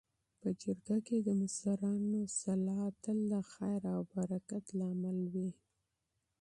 . په جرګه کي د مشرانو مشورې تل د خیر او برکت سبب وي.